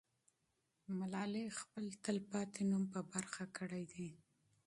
ملالۍ خپل تل پاتې نوم په برخه کړی دی.